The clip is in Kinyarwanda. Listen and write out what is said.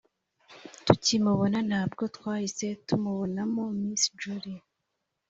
tukimubona, ntabwo twahise tumubonamo miss jolly